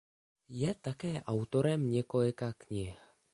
Je také autorem několika knih.